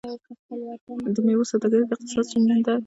د میوو سوداګري د اقتصاد ستون ده.